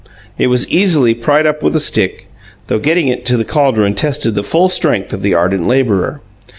It was easily pried up with a stick; though getting it to the caldron tested the full strength of the ardent labourer.